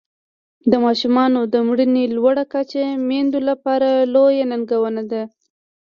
د ماشومانو د مړینې لوړه کچه میندو لپاره لویه ننګونه ده.